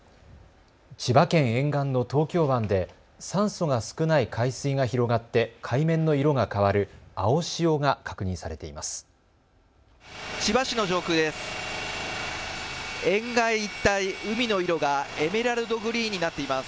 千葉県沿岸の東京湾で酸素が少ない海水が広がって海面の色が変わる青潮が確認されています。